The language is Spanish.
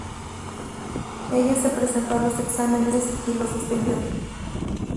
Ella se presentó a los exámenes finales y los suspendió.